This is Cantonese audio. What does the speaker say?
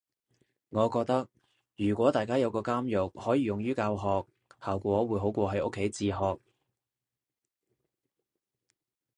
我覺得如果大家有個監獄可以用於教學，效果會好過喺屋企自學